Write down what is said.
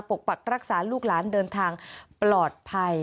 ปกปักรักษาลูกหลานเดินทางปลอดภัย